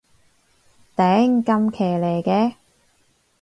頂，咁騎呢嘅